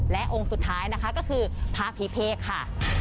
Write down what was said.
และองค์สุดท้ายนะคะก็คือพระพิเภกค่ะ